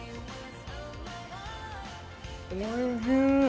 おいしい。